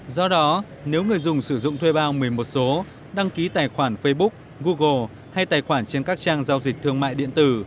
do đó nếu người dùng sử dụng thuê bao một mươi một số đăng ký tài khoản facebook google hay tài khoản trên các trang giao dịch thương mại điện tử